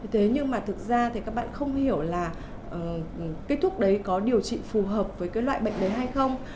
thế nhưng mà thực ra thì các bạn không hiểu là cây thuốc đấy có điều trị phù hợp với cái loại bệnh đấy hay không